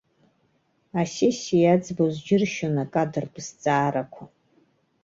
Асессиа иаӡбоз џьыршьон акадртә зҵаарақәа.